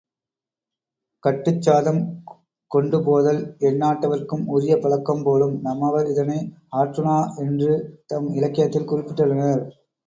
கட்டுச் சாதம் கொண்டுபோதல் எந்நாட்டவர்க்கும் உரிய பழக்கம் போலும் நம்மவர் இதனை ஆற்றுணா என்று தம் இலக்கியத்தில் குறிப்பிட்டுள்ளனர்.